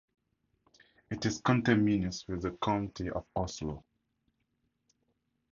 It is conterminous with the county of Oslo.